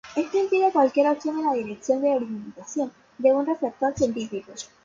Esto impide cualquier opción en la dirección de la orientación de un reflector específico.